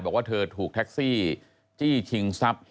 บอกว่าเธอถูกแท็กซี่จี้ชิงทรัพย์